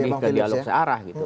ini ke dialog searah gitu